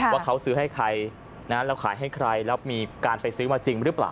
ว่าเขาซื้อให้ใครแล้วขายให้ใครแล้วมีการไปซื้อมาจริงหรือเปล่า